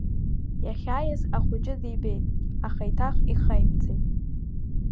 Иахьааиз ахәыҷы дибеит, аха еиҭах ихаимҵеит.